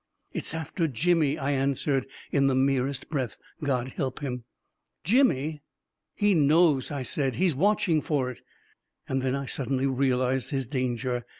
"" It's after Jimmy," I answered, in the merest breath. " God help him !" "Jimmy?" " He knows," I said " He's watching for it! " And then I suddenly realized his danger.